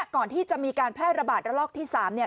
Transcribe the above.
ก่อนที่จะมีการแพร่ระบาดระลอกที่๓เนี่ย